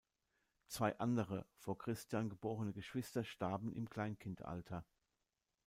Zwei andere, vor Christian geborene Geschwister starben im Kleinkindalter.